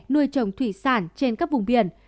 nuôi trồng thủy sản trên các vùng biển